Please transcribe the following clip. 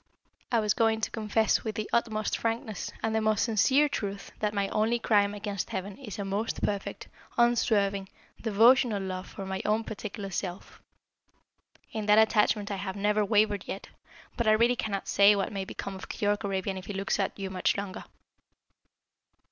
I was going to confess with the utmost frankness and the most sincere truth that my only crime against Heaven is a most perfect, unswerving, devotional love for my own particular Self. In that attachment I have never wavered yet but I really cannot say what may become of Keyork Arabian if he looks at you much longer."